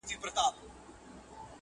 زاړه اسناد مهم معلومات لري